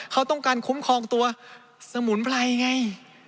เขาต้องการคุ้มครองตัวสมุนไพรไง